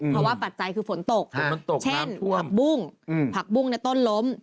เพราะว่าปัจจัยคือฝนตกมันตกเช่นผักบุ้งผักบุ้งในต้นล้ม